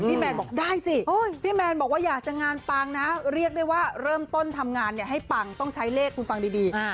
แมนบอกได้สิพี่แมนบอกว่าอยากจะงานปังนะเรียกได้ว่าเริ่มต้นทำงานให้ปังต้องใช้เลขคุณฟังดี